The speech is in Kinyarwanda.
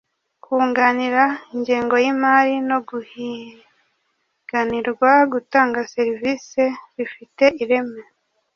kunganira ingengo y’imari no guhiganirwa gutanga servisi zifite ireme